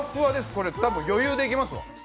これ、余裕でいけますわ。